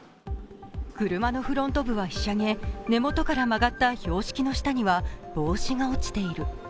車のフロント部はひしゃげ、根元から曲がった標識の下には帽子が落ちている。